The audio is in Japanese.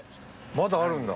まだあるんだ？